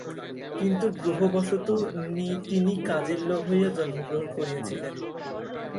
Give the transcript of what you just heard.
কিন্তু গ্রহবশত তিনি কাজের লোক হইয়া জন্মগ্রহণ করিয়াছিলেন।